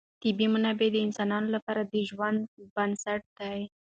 طبیعي منابع د انسانانو لپاره د ژوند بنسټ دی.